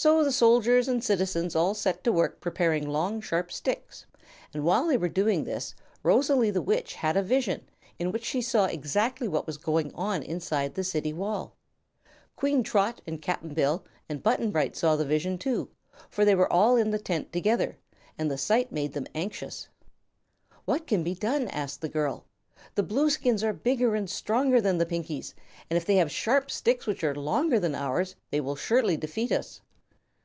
So the soldiers and citizens all set to work preparing long sharp sticks, and while they were doing this Rosalie the Witch had a vision in which she saw exactly what was going on inside the City wall. Queen Trot and Cap'n Bill and Button Bright saw the vision, too, for they were all in the tent together, and the sight made them anxious. "What can be done?" asked the girl. "The Blueskins are bigger and stronger than the Pinkies, and if they have sharp sticks which are longer than ours they will surely defeat us."